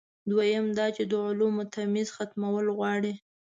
دویم دا چې د علومو تمیز ختمول غواړي.